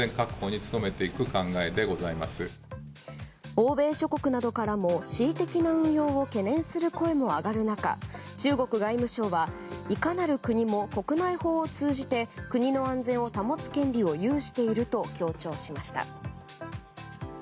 欧米諸国などからも恣意的な運用を懸念する声も上がる中中国外務省はいかなる国も、国内法を通じて国の安全を保つ権利を有していると強調しました。